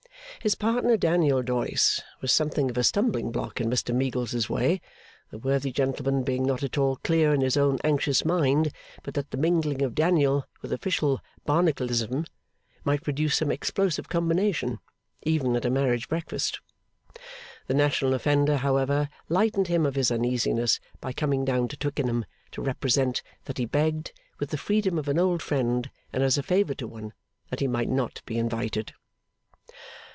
His partner, Daniel Doyce, was something of a stumbling block in Mr Meagles's way, the worthy gentleman being not at all clear in his own anxious mind but that the mingling of Daniel with official Barnacleism might produce some explosive combination, even at a marriage breakfast. The national offender, however, lightened him of his uneasiness by coming down to Twickenham to represent that he begged, with the freedom of an old friend, and as a favour to one, that he might not be invited.